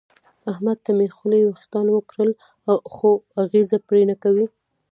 احمد ته مې خولې وېښتان وکړل خو اغېزه پرې نه کوي.